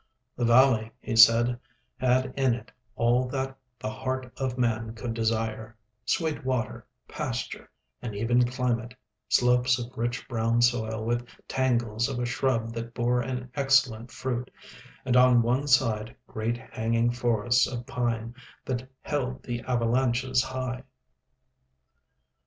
The valley, he said, had in it all that the heart of man could desire—sweet water, pasture, an even climate, slopes of rich brown soil with tangles of a shrub that bore an excellent fruit, and on one side great hanging forests of pine that held the avalanches high.